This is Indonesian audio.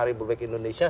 ribu bek indonesia